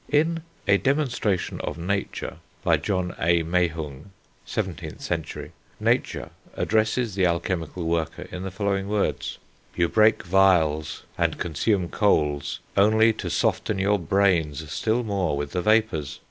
In A Demonstration of Nature, by John A. Mehung (17th century), Nature addresses the alchemical worker in the following words: "You break vials, and consume coals, only to soften your brains still more with the vapours.